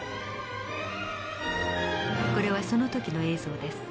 これはその時の映像です。